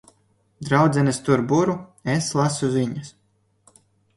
Draudzenes tur buru, es lasu ziņas.